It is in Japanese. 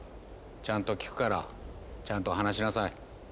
ちゃんと聞くからちゃんと話しなさい。